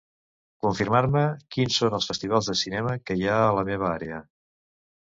Confirmar-me quins són els festivals de cinema que hi ha a la meva àrea.